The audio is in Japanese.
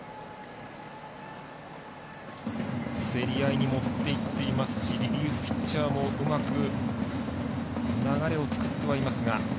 競り合いに持っていっていますしリリーフピッチャーもうまく流れを作ってはいますが。